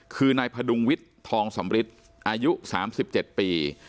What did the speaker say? คือนายพดุงวิทย์ทองสำริทอายุ๓๗ปี